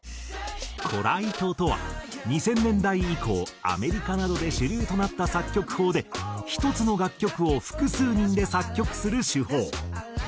コライトとは２０００年代以降アメリカなどで主流となった作曲法で１つの楽曲を複数人で作曲する手法。